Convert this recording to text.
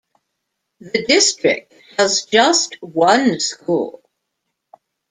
The district has just one school.